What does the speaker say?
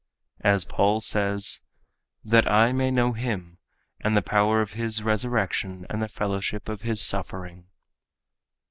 As Paul says: "That I may know Him and the power of His resurrection and the fellowship of His suffering."